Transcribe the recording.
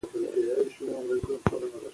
موږ په خپله کلتوري پانګه کې درز نه غواړو.